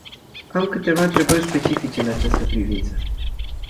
Am câteva întrebări specifice în această privință.